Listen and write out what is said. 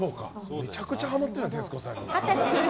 めちゃくちゃハマってるじゃん徹子さんに。